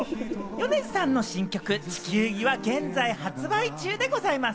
米津さんの新曲『地球儀』は現在発売中でございます。